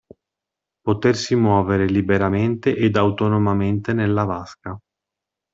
Potersi muovere liberamente ed autonomamente nella vasca.